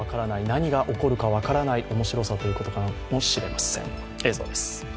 何が起こるかわからない面白さということかもしれません。